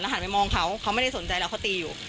หันไปมองเขาเขาไม่ได้สนใจแล้วเขาตีอยู่